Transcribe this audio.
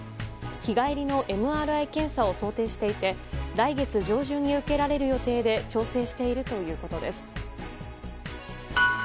日帰りのＭＲＩ検査を想定していて来月上旬に受けられる予定で調整しているということです。